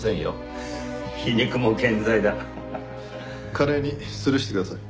華麗にスルーしてください。